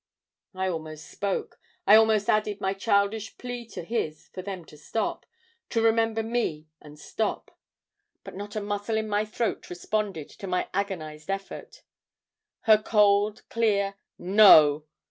"I almost spoke; I almost added my childish plea to his for them to stop to remember me and stop. But not a muscle in my throat responded to my agonized effort. Her cold, clear 'No!